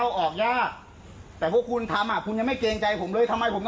ก็มาที่ก่อสร้างอาทิตย์อย่างนี้มันทำได้หรอ